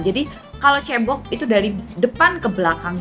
jadi kalau cewek itu dari depan ke belakang